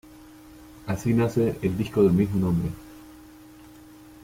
Así nace el disco del mismo nombre.